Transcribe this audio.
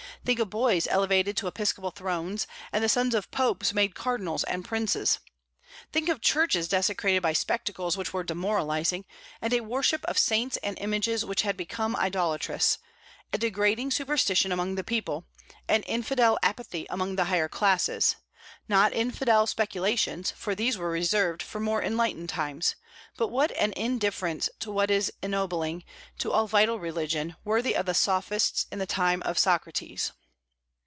Think of boys elevated to episcopal thrones, and the sons of popes made cardinals and princes! Think of churches desecrated by spectacles which were demoralizing, and a worship of saints and images which had become idolatrous, a degrading superstition among the people, an infidel apathy among the higher classes: not infidel speculations, for these were reserved for more enlightened times, but an indifference to what is ennobling, to all vital religion, worthy of the Sophists in the time of Socrates!